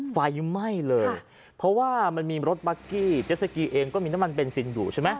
ไฟไหม้เลยเพราะว่ามันมีรถบัคกี้เจสสกีเองก็มีน้ำมันเบนซินอยู่ใช่ไหม